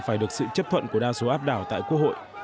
phải được sự chấp thuận của đa số áp đảo tại quốc hội